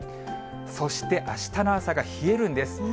そして、あしたの朝が冷えるんです。